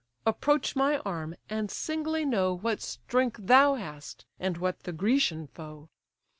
approach my arm, and singly know What strength thou hast, and what the Grecian foe.